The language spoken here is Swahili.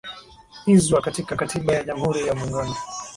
izwa katika katiba ya jamhuri ya muungano